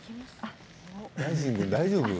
大丈夫？